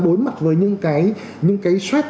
đối mặt với những cái stress